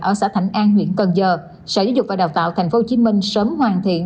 ở xã thạnh an huyện cần giờ sở giáo dục và đào tạo tp hcm sớm hoàn thiện